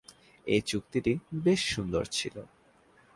এ চুক্তিটি বেশ সুন্দর ছিল।